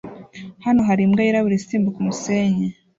Hano hari imbwa yirabura isimbuka umusenyi